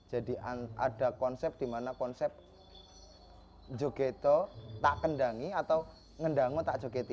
jadi ada konsep di mana konsep jogeto tak kendangi atau ngendango tak jogeti